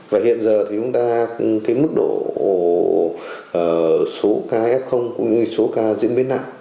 và hiện giờ thì chúng ta cái mức độ số ca f cũng như số ca diễn biến nặng